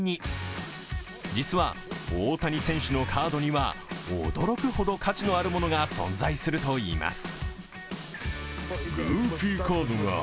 実は大谷選手のカードには驚くほど価値のあるものが存在するといいます。